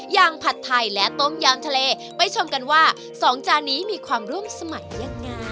ผัดไทยและต้มยามทะเลไปชมกันว่าสองจานนี้มีความร่วมสมัครยังไง